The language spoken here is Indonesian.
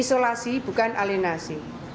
isolasi bukan alinasi